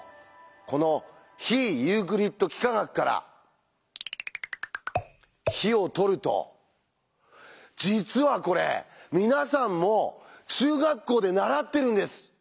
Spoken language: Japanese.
この「非ユークリッド幾何学」から「非」をとると実はこれ皆さんも中学校で習ってるんです！